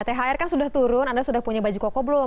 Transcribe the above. thr kan sudah turun anda sudah punya baju koko belum